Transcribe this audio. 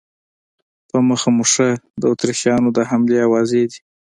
په مخه مو ښه، د اتریشیانو د حملې آوازې دي.